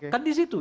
kan di situ